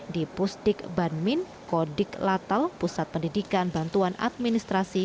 di pusdik banmin kodik latal pusat pendidikan bantuan administrasi